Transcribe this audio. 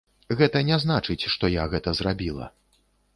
Гэта не значыць, што я гэта зрабіла.